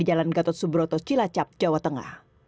jalan jawa tengah jawa tengah